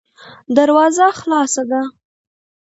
دروازه خلاصه ده.